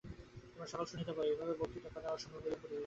তোমরা সকলে শুনিতে পাও, এইভাবে বক্তৃতা করা আর অসম্ভব হইয়া পড়িয়াছে।